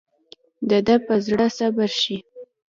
دده به زړه صبر شي.